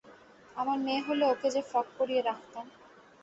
আমার মেয়ে হলে ওকে যে ফ্রক পরিয়ে রাখতাম!